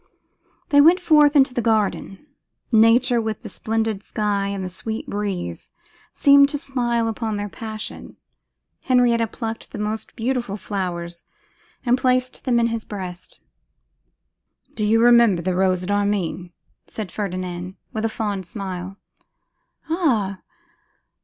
They went forth into the garden. Nature, with the splendid sky and the sweet breeze, seemed to smile upon their passion. Henrietta plucked the most beautiful flowers and placed them in his breast. 'Do you remember the rose at Armine?' said Ferdinand, with a fond smile. 'Ah!